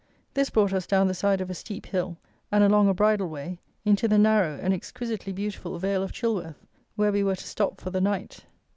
This brought us down the side of a steep hill, and along a bridle way, into the narrow and exquisitely beautiful vale of Chilworth, where we were to stop for the night.